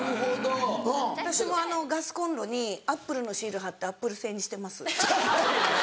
私もガスコンロにアップルのシール貼ってアップル製にしてます。